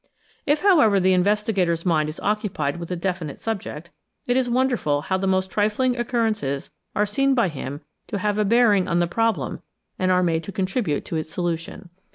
If, however, the investigator's mind is occupied with a definite subject, it is wonderful how the most trifling occurrences are seen by him to have a bearing on the problem and are made to contribute to its solution.